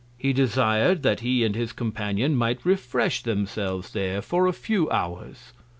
He desir'd that he and his Companion might refresh themselves there for a few Hours.